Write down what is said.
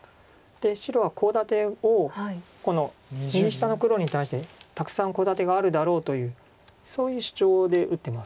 白はコウ立てをこの右下の黒に対してたくさんコウ立てがあるだろうというそういう主張で打ってます。